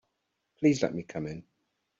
Please let me come in.